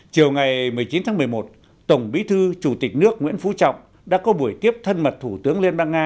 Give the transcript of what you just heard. chiều ngày một mươi chín tháng một mươi một tổng bí thư chủ tịch nước nguyễn phú trọng đã có buổi tiếp thân mật thủ tướng liên bang nga